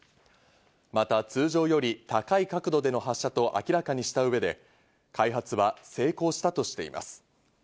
また通常より高い角度での発射と明らかにした上で、開発は成功したとしています。